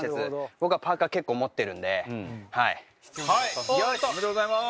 僕はパーカー結構持ってるんではい。おめでとうございます。